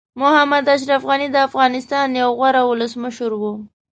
محمد اشرف غني د افغانستان یو غوره ولسمشر وو.